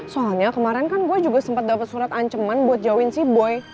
soalnya kemarin kan gue juga sempat dapet surat anceman buat jauhin si boy